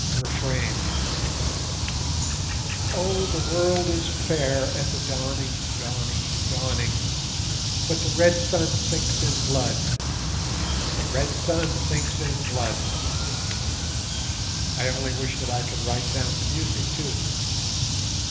Refrain Oh, the world is fair at the dawning—dawning—dawning, But the red sun sinks in blood—the red sun sinks in blood. I only wish that I could write down the music too.